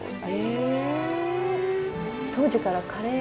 へえ。